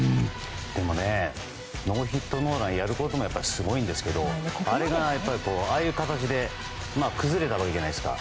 でもノーヒットノーランやることもすごいんですけどあれが、ああいう形で崩れたわけじゃないですか。